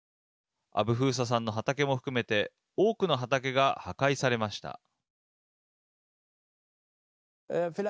アブフーサさんの畑も含めて多くの畑が破壊されました。